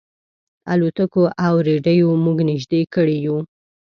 الوتکو او رېډیو موږ نيژدې کړي یو.